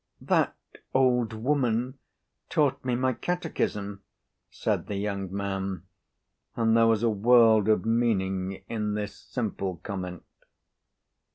"That old woman taught me my catechism," said the young man; and there was a world of meaning in this simple comment.